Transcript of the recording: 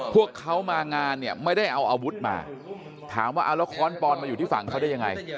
พวกเขามางานเนี่ยไม่ได้เอาอาวุธมาถามว่าเอาแล้วค้อนปอนมาอยู่ที่ฝั่งเขาได้ยังไง